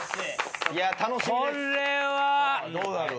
いや楽しみです。